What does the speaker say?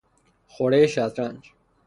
خورهی شطرنج